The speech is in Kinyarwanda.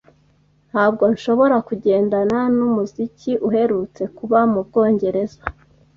Ntabwo nshobora kugendana nu muziki uherutse kuba mu Bwongereza.